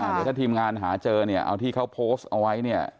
เดี๋ยวถ้าทีมงานหาเจอเนี่ยเอาที่เขาโพสต์เอาไว้เนี่ย